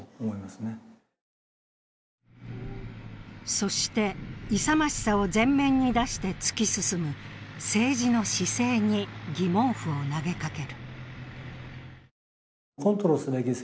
そして、勇ましさを前面に出して突き進む政治の姿勢に疑問符を投げかける。